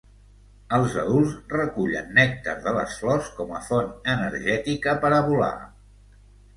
Els adults recullen nèctar de les flors com a font energètica per a volar.